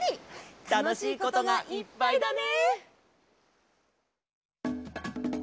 たのしいことがいっぱいだね！